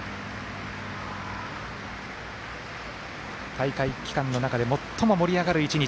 大会期間の中で最も盛り上がる１日。